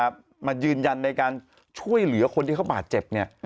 มายืนยันในการช่วยเหลือคนที่เขาบาดเจ็บเนี่ย